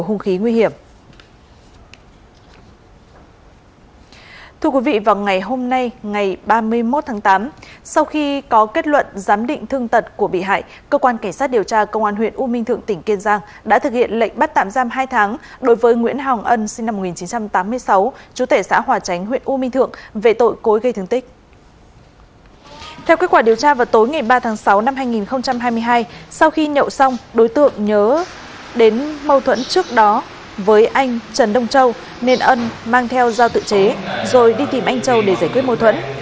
theo kết quả điều tra vào tối ngày ba tháng sáu năm hai nghìn hai mươi hai sau khi nhậu xong đối tượng nhớ đến mâu thuẫn trước đó với anh trần đông châu nên ân mang theo dao tự chế rồi đi tìm anh châu để giải quyết mâu thuẫn